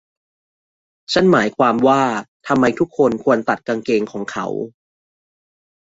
ฉันหมายความว่า ทำไมทุกคนควรตัดกางเกงของเขา ?